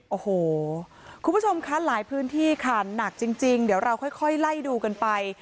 โอ้โหคุณผู้ชมคะหลายพื้นที่ค่ะหนักจริงเดี๋ยวเราค่อยไล่ดูกันไป